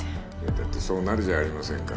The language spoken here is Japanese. だってそうなるじゃありませんか。